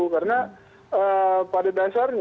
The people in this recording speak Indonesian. karena pada dasarnya